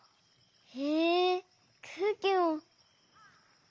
へえくうきも！